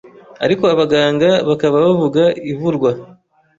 ariko abaganga bakaba bavuga ivurwa